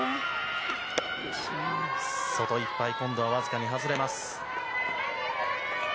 外いっぱい今度はわずかに外れます。